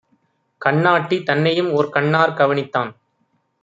கண்ணாட்டி தன்னையும்ஓர் கண்ணாற் கவனித்தான்.